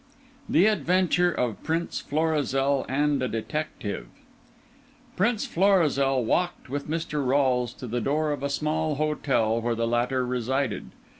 THE ADVENTURE OF PRINCE FLORIZEL AND A DETECTIVE Prince Florizel walked with Mr. Rolles to the door of a small hotel where the latter resided.